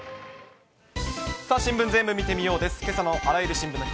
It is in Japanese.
新聞ぜーんぶ見てみよう！です。